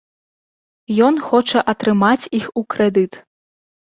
Ён хоча атрымаць іх у крэдыт.